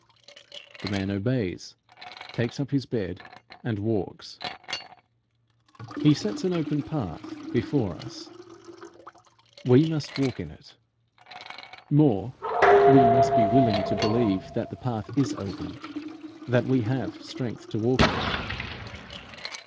The man obeys, takes up his bed, and walks. He sets an open path before us; we must walk in it. More, we must be willing to believe that the path is open, that we have strength to walk in it.